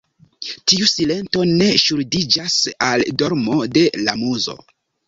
Tiu silento ne ŝuldiĝas al dormo de la muzo.